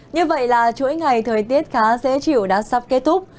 như vậy là chuỗi ngày thời tiết khá dễ chịu đã sắp kết thúc